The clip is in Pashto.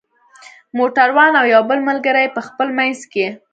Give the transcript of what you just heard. موټر وان او یو بل ملګری یې په خپل منځ کې.